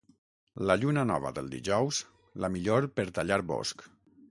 La lluna nova del dijous, la millor per tallar bosc.